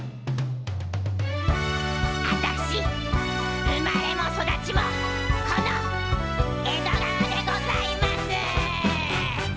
あたし生まれも育ちもこの江戸川でございます。